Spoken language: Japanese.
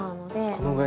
このぐらい。